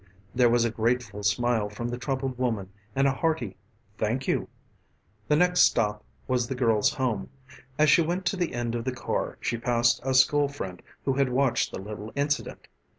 There was a grateful smile from the troubled woman and a hearty "Thank you." The next stop was the girl's home. As she went to the end of the car she passed a school friend who had watched the little incident.